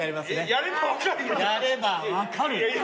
やれば分かる。